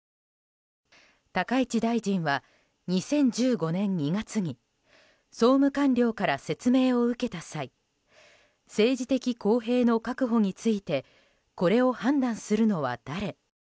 高市大臣は２０１５年２月に総務官僚から説明を受けた際政治的公平の確保についてこれを判断するのは誰？